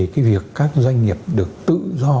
cái việc các doanh nghiệp được tự do